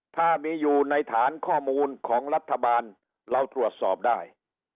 ถ้ามีอยู่ในฐานข้อมูลของรัฐบาลเราตรวจสอบได้